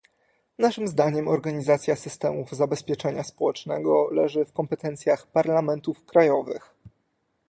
Naszym zdaniem organizacja systemów zabezpieczenia społecznego leży w kompetencjach parlamentów krajowych